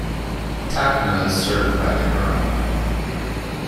Tacna is served by the Crnl.